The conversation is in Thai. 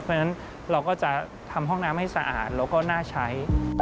เพราะฉะนั้นเราก็จะทำห้องน้ำให้สะอาดแล้วก็น่าใช้